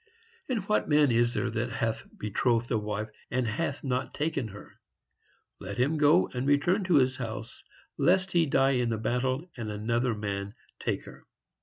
"And what man is there that hath betrothed a wife, and hath not taken her? Let him go and return unto his house, lest he die in the battle, and another man take her."